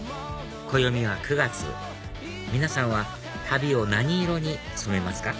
暦は９月皆さんは旅を何色に染めますか？